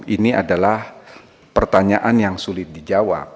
ini adalah pertanyaan yang sulit dijawab